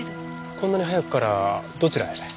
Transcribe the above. こんなに早くからどちらへ？